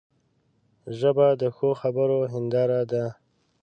ژبه د ښو خبرو هنداره ده